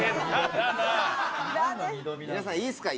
皆さんいいですか？